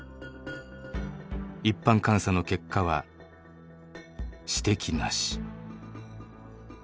一般監査の結果は指摘なし。